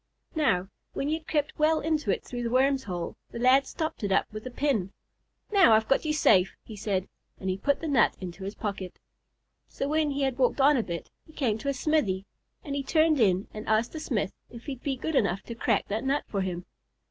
Now, when he had crept well into it through the worm's hole, the lad stopped it up with a pin. "Now, I've got you safe," he said, and put the nut into his pocket. So when he had walked on a bit, he came to a smithy, and he turned in and asked the smith if he'd be good enough to crack that nut for him.